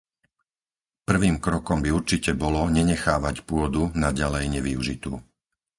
Prvým krokom by určite bolo nenechávať pôdu naďalej nevyužitú.